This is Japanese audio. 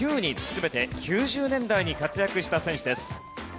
全て９０年代に活躍した選手です。